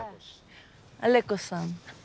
アレコスさん。